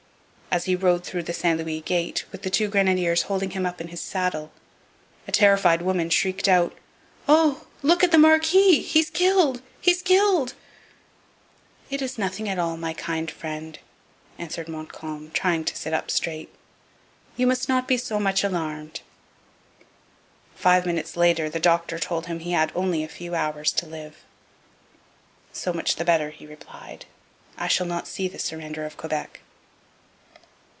As he rode through St Louis Gate, with the two grenadiers holding him up in his saddle, a terrified woman shrieked out: 'Oh! look at the marquis, he's killed, he's killed!' 'It is nothing at all, my kind friend,' answered Montcalm, trying to sit up straight, 'you must not be so much alarmed!' Five minutes later the doctor told him he had only a few hours to live. 'So much the better,' he replied; 'I shall not see the surrender of Quebec.'